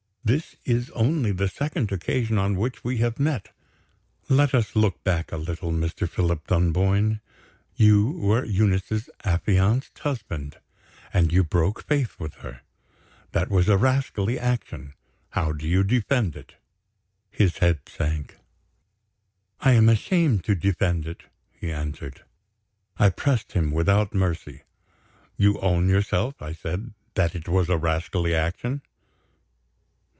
This is only the second occasion on which we have met. Let us look back a little, Mr. Philip Dunboyne. You were Eunice's affianced husband; and you broke faith with her. That was a rascally action. How do you defend it?" His head sank. "I am ashamed to defend it," he answered. I pressed him without mercy. "You own yourself," I said, "that it was a rascally action?"